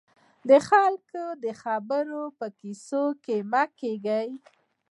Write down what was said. د خلکو د خبرو په کيسه کې مه کېږئ.